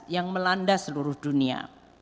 yang melanda seluruh dunia